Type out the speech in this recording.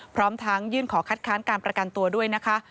พร้อมทั้งยื่นขอคัดค้านการประกันตัวด้วยนะคะ